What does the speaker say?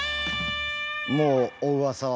もうおうわさは。